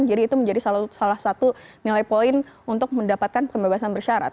jadi itu menjadi salah satu nilai poin untuk mendapatkan pembebasan bersyarat